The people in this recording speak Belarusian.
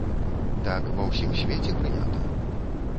Так ва ўсім свеце прынята.